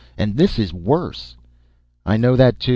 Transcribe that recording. And this is worse." "I know that, too."